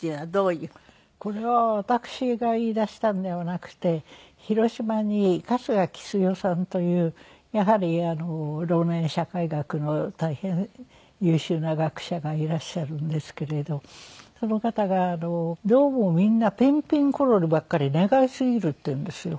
これは私が言いだしたんではなくて広島に春日キスヨさんというやはり老年社会学の大変優秀な学者がいらっしゃるんですけれどその方がどうもみんなピンピンコロリばっかり願いすぎるって言うんですよ。